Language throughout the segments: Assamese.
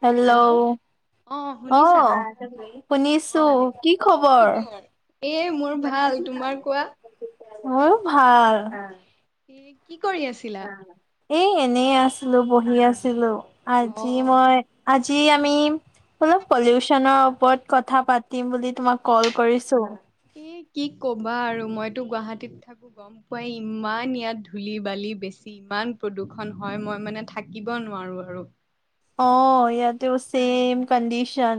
হেল্ল' অ অ শুনিছো, কি খবৰ? এ মোৰ ভাল, তোমাৰ কোৱা? মোৰ মানে ভাল। এ কি কৰি আছে? এ এনে আছিলো বহি আছিলো, অ আজি মই আজি আমি অলপ পলিউশনৰ ওপৰত কথা পাতিম বুলি তোমাক কল কৰিছো। এ কি কবা আৰু মইতো গুৱাহাটীত থাকো। গম পোৱাই ইমান ইয়াত ধূলি-বালি বেছি ইমান প্ৰদূষণ হয় মই মানে থা কিব নোৱাৰো আৰু। অ ইয়াতেও চেম কণ্ডিশন।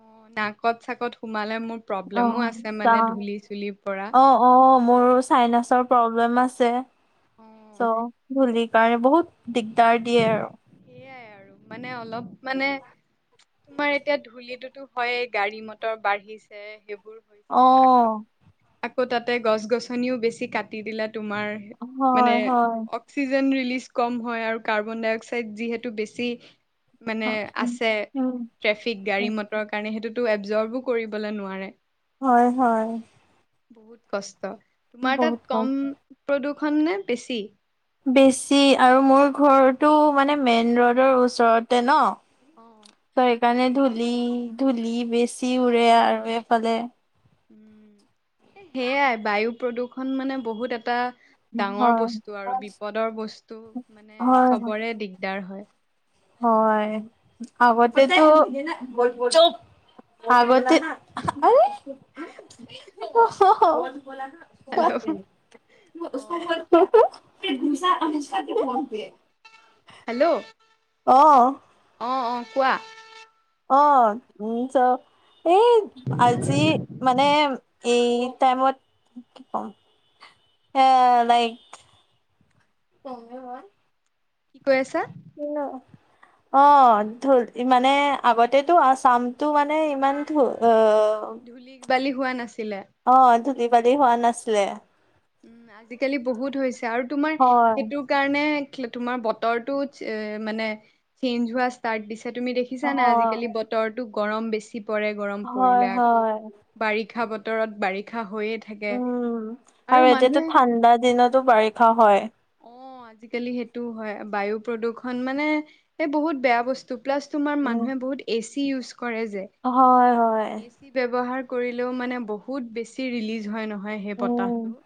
অ' নাকত চাকত সোমালে মোৰ অ প্ৰব্লেমো আছে সঁচা মানে ধূলি চুলিৰ পৰা। অ অ' মোৰ চাইনাছৰ প্ৰব্লেম আছে অ চ' ধূলিৰ কাৰণে বহুত দিগদাৰ দিয়ে আৰু। সেইয়াই আৰু মানে অলপ মানে তোমাৰ এতিয়া ধূলিটোতো হয়েই গাড়ী মটৰ বাঢ়িছে সেইব অ'। আকৌ তাতে গছ গছনিও বেছি কাটি দিলে তোমাৰ মানে হয় হয় অক্সিজেন ৰিলিজ কম হয় আৰু কাৰ্বন ডাই অক্সাইড যিহেতু বেছি মানে আছে উম ট্ৰেফিক গাড়ী মটৰৰ কাৰণে সেইটোতো এবজৰভো কৰিবলৈ নোৱাৰে। হয় হয়। বহুত কষ্ট তোমাৰ তাত বহুত কম কষ্ট প্ৰদূষণ নে বেছি? বেছি আৰু মোৰ ঘৰটো মানে মেইন ৰোডৰ ওচৰতে ন। অ'। ত সেইকাৰণে ধূলি, ধূলি বেছি উৰে আৰু এইফালে। উম সেইয়াই বায়ু প্ৰদূষণ মানে বহুত এটা ডাঙৰ হয় বস্তু আৰু বিপদৰ বস্তু, মানে হয় চবৰে দিগদাৰ হয়। হয় উম, আগতেটো হেল্ল' অ [unintelligible] [unintelligible] [unintelligible] হেল্ল'। অ'। অ', অ' কোৱা। অ' [unintelligible] এই আজি মানে এই টাইমত কি কম এ লাইক [unintelligible] কি কৈ আছা? হেল্ল'। অ' ঢোল মানে আগতেতো আচামটো মানে ইমান ঢো অ' ধূলি বালি হোৱা নাছিলে। অ' ধূলি বালি হোৱা নাছিলে। উম আজিকালি বহুত হৈছে আৰু তোমাৰ হয় সেইটো কাৰণে তোমাৰ বতৰটো মানে চেঞ্জ হোৱা ষ্টাৰ্ট দিছে তুমি দেখি অ দেখিছা নাই আজিকালি বতৰটো গৰম বেছি পৰে। গৰম হয় পৰিলে আকৌ হয়। বাৰিষা বতৰত বাৰিষা হৈয়ে থাকে। উম আৰু এতিয়া টো ঠাণ্ডা দিনতো বাৰিষা হয়। অ' আজিকালি সেইটো হয়। বায়ু প্ৰদূষণ মানে এই বহুত বেয়া বস্তু টু প্লাছ তোমাৰ উম মানুহে বহুত এ চি ইউজ কৰে যে। হয় হয়। [unintelligible] বেছি ব্যৱহাৰ কৰিলেও মানে বহুত বেছি ৰিলিজ হয় নহয় সেই উম বতাহটো।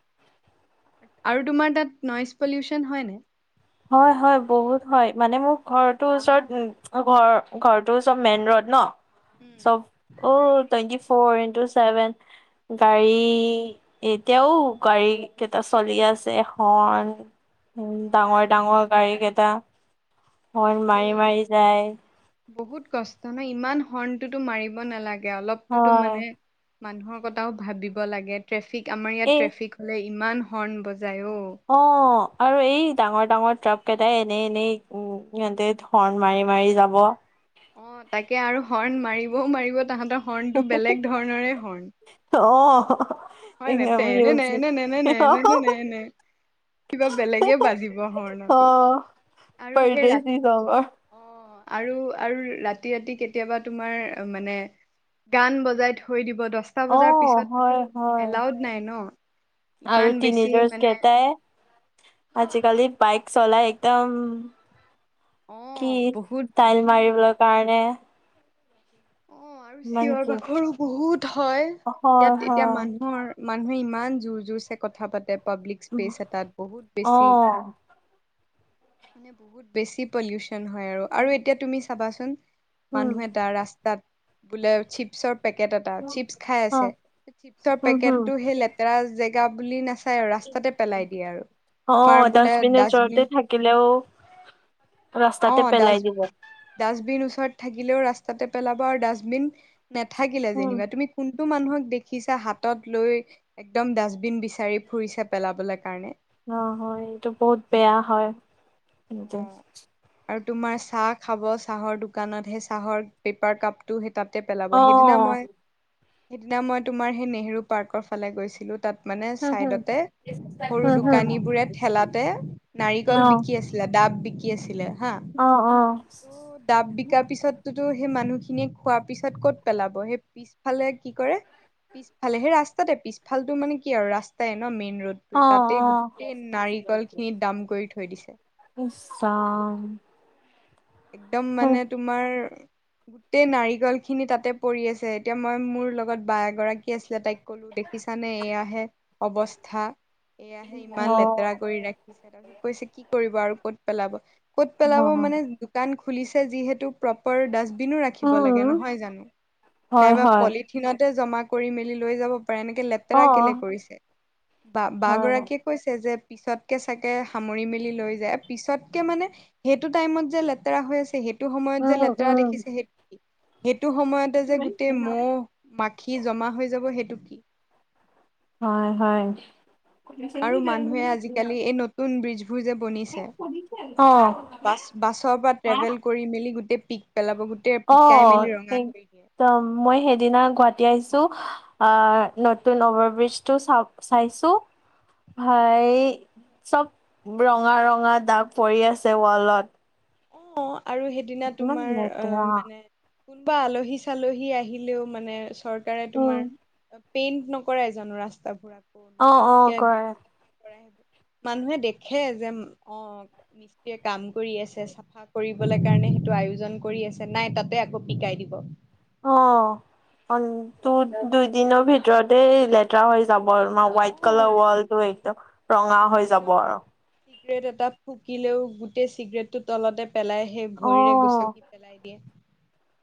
আৰু তোমাৰ তাত নইজ পলিউচন হয় নাই? হয় হয় বহুত হয়, মানে মোৰ ঘৰটো ওচৰত ঘৰ, ঘৰটো ওচৰত মেইন ৰড ন উম চব অ' টুৱেণ্টি ফ'ৰ ইনটু চেভেন গাড়ী এতিয়াও গাড়ী কেইটা চলি আছে হৰ্ণ উম! হয়। ডাঙৰ-ডাঙৰ গাড়ী কেইটা। হৰ্ণ তাকে। মাৰি মাৰি যায় বহুত কষ্ট হয় ইমান হৰ্ণটোতো মাৰিব নালাগে অলপ সেইটোতো হয় মানে মানুহৰ কথাও ভাবিব লাগে। ট্ৰেফিক আমাৰ এই ইয়াত ট্ৰেফিক হ'লে ইমান হৰ্ণ বজাই অ। অঁ! আৰু এই ডাঙৰ-ডাঙৰ ট্ৰাক কেইটাই এনেই-এনেই উম! সিহঁতে হৰ্ণ মাৰি-মাৰি যাব। অঁ! তাকে আৰু হৰ্ণ মাৰিবও মাৰিব তাহাঁতৰ হৰ্ণটো বেলেগ ধৰণৰে হৰ্ণ। অঁ [unintelligible] হয় নাই তেনে নেনে নে [unintelligible] কিবা বেলেগে বাজিব অ হৰ্ণটো। আৰু সেই পৰদেশী চঙৰ ৰাত অঁ! আৰু-আৰু ৰাতি-ৰাতি কেতিয়াবা তোমাৰ মানে গান বজাই থৈ দিব দহটা অ বজাৰ পিছততো হয় হয় এলাউড নাই ন। আৰু ইমান বেছি তিনেজাৰ্জ মানে কেইটাই আজিকালি বাইক চলাই একদম কি অ' বহুত ষ্টাইল বেছি মাৰিবৰ কাৰণে অঁ! আৰু ইমান চিঞৰ কি বাখৰো বহুত হয়। হয় ইয়াত হয় অ এতিয়া মানুহৰ মানুহে ইমান জোৰ-জোৰচে কথা পাতে, পাব্লিক উম স্পেচ এটাত বহুত অ বেছি। মানে বহুত বেছি পলিউচন হয় আৰু। আৰু এতিয়া তুমি চাবা চোন উম মানুহ এটা ৰাস্তাত বোলে চিপছৰ পেকেট এটা চিপছ খাই আছে। চিপছৰ হম পেকেটটো সেই লেতেৰা জেগা বুলি নাচায় আৰু ৰাস্তাতে পেলাই দিয়ে আৰু। অ তোমাৰ বোলে ডাষ্টবিনৰ ওচৰতে ডাষ্টবিন থাকিলেও ৰাস্তাতে অঁ! পেলাই ডাষ্ট দিব ডাষ্টবিন ওচৰত থাকিলেও ৰাস্তাতে পেলাব। আৰু ডাষ্টবিন নাথাকিলে উম যেনিবা তুমি কোন টো মানুহক দেখিছা হাতত লৈ একদম ডাষ্টবিন বিচাৰি ফুৰিছে পেলাবলে কাৰণে। অঁ! হয় এইটো বহুত বেয়া হয় এইটো। অ আৰু তোমাৰ চাহ খাব, চাহৰ দোকানত সেই চাহৰ পেপাৰ কাপ টো সেই তাতে পেলাব। অ সেইদিনা মই সেইদিনা মই তোমাৰ সেই নেহেৰু পাৰ্কৰ ফালে গৈছিলোঁ। তাত মানে হম হম চাইডতে সৰু উম হম দোকানীবোৰে ঠেলাতে অ নাৰিকল বিকি আছিল। [unintelligible] লাডাব বিকি আছিলে হা। অঁ-অঁ! দাব বিকাৰ পিছতোতো সেই মানুহখিনিয়ে খোৱাৰ পিছত ক'ত পেলাব সেই পিছফালে কি কৰে পিছফালে সেই ৰাস্তাতে পিছফালটো মানে কি আৰু ৰাস্তাই ন মেইন ৰোড। অ তাতে অ গোটেই নাৰিকলখিনি দাম কৰি থৈ দিছে। কি চাম [unintelligible] একদম মানে তোমাৰ গোটেই নাৰিকলখিনি তাতে পৰি আছে। এতিয়া মই মোৰ লগত বা এগৰাকী আছিলে তাইক কলো দেখ দেখিছানে এয়াহে অৱস্থা, এয়াহে ইমান অ লেতেৰা কৰি ৰাখিছে। তাৰ পিছত কৈছে কি কৰিব আৰু ক'ত পেলাব? ক'ত অ পেলাব মানে দোকান খুলিছে যিহেতু প্ৰপাৰ ডাষ্টবিনো ৰাখিব লাগে উম নহয় জানো। হয় নাইবা হয় পলি থিনতে জমা কৰি মেলি লৈ যাব পাৰে এনেকে অ লেতেৰা কেলে কৰিছে। বা-বা হয় গৰাকীয়ে কৈছে যে পিছতকে চাগে সামৰি মেলি লৈ যায়। পিছতকে মানে সেইটো টাইমত যে লে লেতেৰা হৈ আছে সেইটো সময়ত উম যে লেতেৰা উম দেখিছে। সেই সেইটো সময়তে যে গোটেই মহ মাখি জমা হৈ যাব সেইটো হয় হয়। আৰু মানুহে আজিকালি এই নতুন ব্ৰিজ বোৰ যে বনিছে অ বাছ বাছৰ পৰা ট্ৰেভেল কৰি মেলি গোটেই পিক পেলাব গোটেই পিকাই মেলি ৰঙা কৰি দিয়ে। তম মই সেইদিনা গুৱাহাটী আহিছো আহ নতুন অভাৰ ব্ৰিজ টো চা চাইছো ভাই চব ৰঙা ৰঙা দাগ পৰি আছে ৱালত। অ আৰু সেইদিনা ইমান তোমাৰ আহ লেতেৰা। মানে কোনোবা আলহী চালহী আহিলেও মানে চৰকাৰে উম তোমাৰ পেইন্ট নকৰে জানো ৰাস্তাাবোৰ আকৌ অ অ নতুনকে কৰে মানুহে দেখে যে অ মিস্ত্ৰীয়ে কাম কৰি আছে। চাফা কৰিবলৈ কাৰণে সেইটো আয়োজন কৰি আছে, নাই তাতে আকৌ পিকাই দিব। অ, অন তু দুইদিনৰ ভিতৰতে লেতেৰা হৈ যাব আৰু মা হোৱাাইট অ কালাৰ ওৱাল টো একদ দুদিনৰ চিগৰেট এটা ফুকিলেও গোটেই চিগাৰেট টো তলতে পেলাই সেই অ। ভৰিৰে গুচকি পেলাই দিয়ে।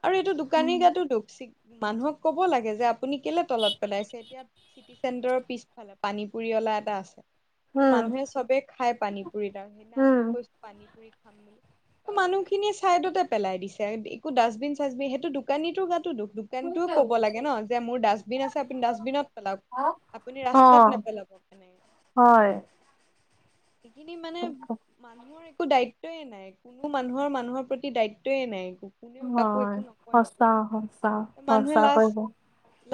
আৰু এইটো উম দোকানীৰ গাতো দোষ মানুহক কব লাগে যে আপুনি কেলে তলত পেলাইছে, এতিয়া চিটি চেণ্টাৰৰ পিছফালে পানী পুৰি অলা এটা আছে। ত মানুহে চবে খাই পানী পুৰি তাৰপিছতেই সেইদিনা উম আমিও গৈছো পানী পুৰি খাম বুলি মানুহ খিনিয়ে ছাইডতে পেলাই দিছে একো ডাষ্টবিন চাষ্টবিন, সেইটো দোকানীটো গাতো দুখ। তেন্তটোৰ ক'ব লাগে ন যে মোৰ ডাষ্টবিন আছে আপুনি ডাষ্টবিনত পেলাওক। আপুনি অ। ৰাস্তাত নেপেলাব তেনেকে। হয়। সেইখিনি মানে মানুহৰ একো দায়িত্বয় নাই কোনো মানুহৰ মানুহৰ প্ৰতি দায়িত্বয়ে নাই একো। কোনেও কাকো হয়, একো নকয়েই সঁচা সঁচা এ, মানুহে সঁচা লাজ কৰিব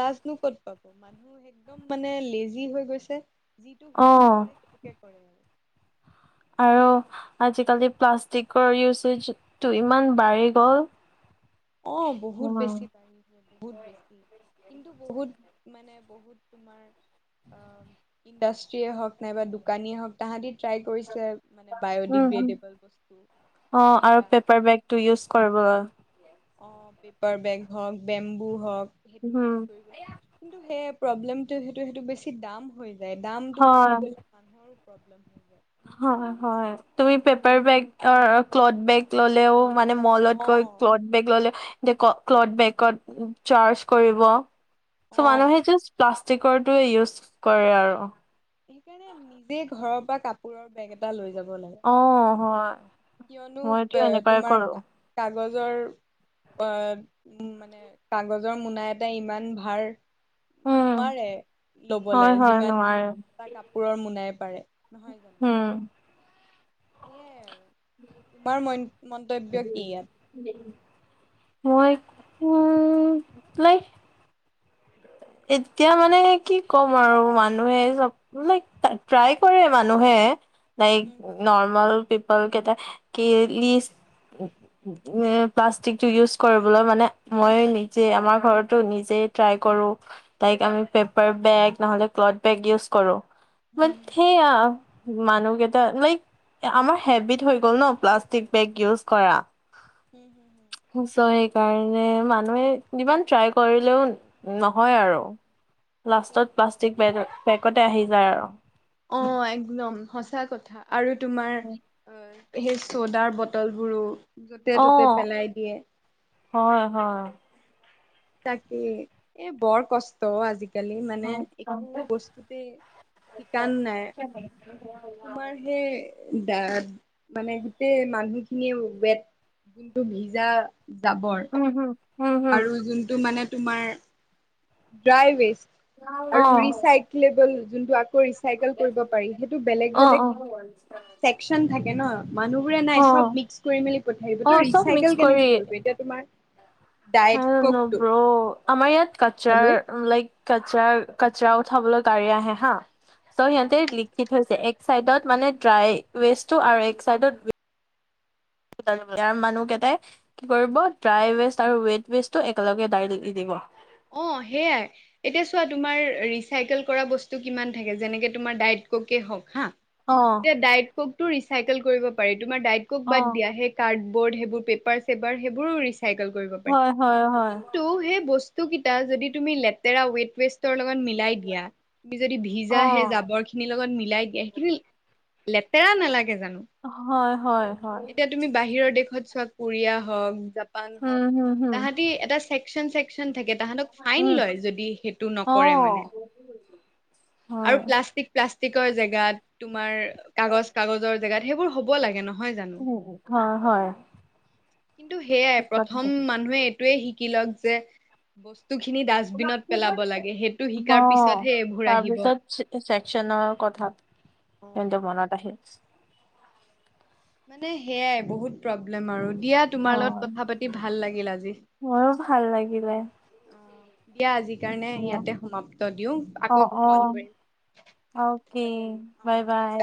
লাজনো ক'ত পাব, মানুহ একদম মানে লেজি হৈ গৈছে। যিটো সুবিধা অ', পায় সেইটোকে কৰে আৰু। আৰু আজিকালি প্লাষ্টিকৰ ইউচেজটো ইমান বাঢ়ি গ'ল। [unintelligible] অ বহুত উম, বেছি [inaudible] বহুত বেছি, কিন্তু বহুত মানে বহুত তোমাৰ ইণ্ডাষ্ট্ৰে হওক নাই বা দোকানীয়ে হওক তাহাঁতি ট্ৰাই কৰিছে মানে উম বায়'ডিগ্ৰেডেবল বস্তু বিকা। টো ইউজ কৰিব। অ পেপাৰ বেগ হওক, বেম্বু হওক সেইটো উম, ইউজ কৰিব লাগে। কিন্তু সেই প্ৰব্লেমটো সেইটো সেইটো বেছি দাম হৈ যায় দামতটো হয়। বাঢ়ি গলে মানুহৰো প্ৰব্লেম হয়। হয় হয় তুমি পেপাৰ বেগ ক্লথ বেগ ললেও মানে মলত গৈ ক্লথ অ বেগ ললে যে ক্লথ বেগত চাৰ্জ কৰিব। চ অ মানুহে জাষ্ট প্লাষ্টিকৰটয়ে ইউজ কৰে আৰু। সেইকাৰণে নিজে ঘৰৰ পৰা কাপোৰৰ বেগ এটা লৈ যাব লাগে। অ হয়। কিয়নো মইতো এ এনেকুৱাই তোমাৰ কৰোঁ। কাগজৰ আ উ মানে কাগজৰ মোনা এটা ইমান ভাৰ। উম, নোৱাৰে লবলে হয় হয় যিমান নোৱাৰে তাৰ কাপোৰৰ মোনাই পাৰে। নহয় জানো উম। সেইয়াই আৰু, তোমাৰ মন্ত মন্তব্য কি ইয়াত? মই টো লাইক এতিয়া মানে কি ক'ম আৰু মানুহে চব লাইক ট্ৰাই কৰে মানুহে, লাইক হম হম নৰ্মেল [unintelligible] এ প্লাষ্টিকটো ইউজ কৰিবলৈ মানে মই নিজে আমাৰ ঘৰতো নিজে ট্ৰাই কৰো। তাইক আমি পেপাৰ বেগ নহলে ক্লথ বেগ ইউজ কৰো। মান হম সেয়া মানু্হ কেইটা লাইক আমাৰ হেবিট হৈ গ'ল ন প্লাষ্টিক বেগ ইউজ কৰা। হুম হুম হুম। চৌ সেইকাৰণে মানুহে যিমান ট্ৰাই কৰিলেও ন অ হয় আৰু, তাকেই লাষ্টত তাকেই। প্লাষ্টিক বে বেগতে আহি যায় আৰু। অঁ একদম সঁচা কথা, আৰু তোমাৰ হয়, সেই চ'দাৰ বটলবোৰো য'তে অ ত'তে পেলাই দিয়ে। হয় হয়। তাকে এ বৰ কষ্ট আজি কালি মানে উম একো বস্তুতে শিকান নাই। তোমাৰ সেই দা মানে গোটেই মানুহখিনিয়ে ৱেট যোনটো ভিজা জাবৰ, উমহ আৰু যোনটো মানে তোমাৰ ড্ৰাই ৱেষ্ট, অ আৰু ৰিচাইকলেবল যোনটো আকৌ ৰিচ চাইকেল কৰিব পাৰি, সেইটো বেলেগ অ অ বেলেগ চেকচন থাকে ন। মানুহবোৰে অ নাই চব মিক্স কৰি মেলি পঠাই দিব, অ ত' চব মিক্স ৰিচাইকেল কৰি কেনেকে কৰিব এতিয়া তোমাৰ [inaudible] ডায়েট আমাৰ ককটো ইয়াত কচৰাৰ হেল্ল' লাইক কাচাৰ কচৰা উঠাবলৈ গাড়ী আহে হা, ত' অ সিহঁতে লিখি থৈছে, এক চাইডত মানে ড্ৰাই ৱেষ্টটো আৰু এক চাইডত ইয়াৰ মানুহকেইটাই কি কৰিব, ড্ৰাই ৱেষ্ট আৰু ৱেট ৱেষ্টটো একেলগে ডাইৰেক্ট দি দিব। অঁ, সেইয়াই। এতিয়া চোৱা, তোমাৰ ৰিচাইকেল কৰা বস্তু কিমান থাকে, যেনেকে তোমাৰ ডাইট ক'কে হওক হা অঁ। ডায়েট ক'ক টো ৰিচাইকেল কৰিব পাৰি, তোমাৰ ডায়েট ক'ক অ বাদ দিয়া সেই কাৰ্ডবৰ্ড সেইবোৰ পেপাৰ চেপাৰ সেইবোৰো ৰিচাইকেল কৰিব পাৰি, হয় হয় হয় কিন্তু সেই ব তো কি তাত যদি তুমি লেতেৰা ৱেট ৱেষ্টৰ লগত মিলাই দিয়া তুমি যদি ভিজা অ সেই জাবৰ খি নি লগত মিলাই দিয়ে, সেইখিনি লেতেৰা নালাগে জানো। হয় হয় হয়। যে তুমি বাহিৰৰ দেশত চোৱা, কোৰিয়া হওক, জাপান হওক উম হম হম তাহাঁতি এটা চেক চন চেকচন থাকে তাহাঁতক ফাইন উম লয়, যদি সেইটো অ নকৰে মানে। আৰু হয় প্লাষ্টিক প্লাষ্টিকৰ জেগাত, তোমাৰ কাগজ কাগজৰ জেগাত সেইবোৰ হ'ব লাগে ন হয় জানো, হয় হয় কিন্তু সেয়াই ঠিক প্ৰথম কথা মানুহে এই টোৱেই, শিকি লওক যে স্তুখিনি, ডাষ্টবিনত পেলাব লাগে, সেইটো অ শিকাৰ পিছতহে এইবোৰ আহিব। তাৰপিছত চেকচনৰ কথাটো, এইটো মানে মনত আহিল। মানে সেয়াই বহুত প্ৰব্লেম আৰু দিয়া অ তোমাৰ লগত কথা পাতি ভাল লাগিল আজি। মোৰো ভাল লাগিলে। অ, দিয়া আজিৰ কাৰণে ইয়াতে সমাপ্ত দিওঁ, অ আকৌ অ ক'ল কৰিম। অ'কে বাই, বাই।